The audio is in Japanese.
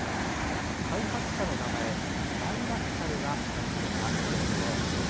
開発者の名前、バイラクタルが冠されたこのドローン。